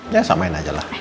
ya samain aja lah